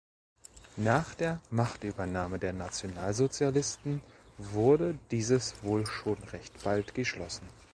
Nach der Machtübernahme der Nationalsozialisten wurde dieses wohl schon recht bald geschlossen.